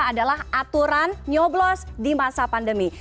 adalah aturan nyoblos di masa pandemi